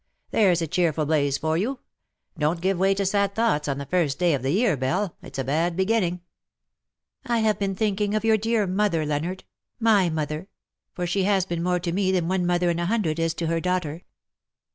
" There's a cheerful blaze for you. Don^t give way to sad thoughts on the first day of the year. Belle : it's a bad beginning.'^ ^^ I have been thinking of your dear mother, Leonard : my mother, for she has been more to me than one mother in a hundred is to her daughter.